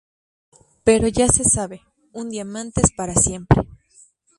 Pero ya se sabe: un diamante es para siempre.